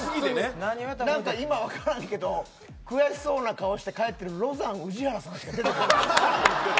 何か今、分からんけど悔しそうな顔して帰ってるロザン、宇治原さんが。